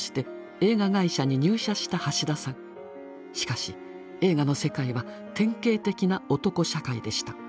しかし映画の世界は典型的な男社会でした。